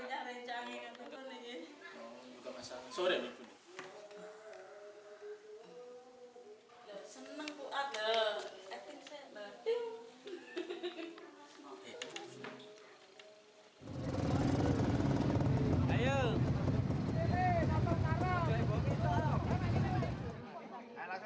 berita berita yang ditunjukkan oleh pak sinarloh dari mojokerto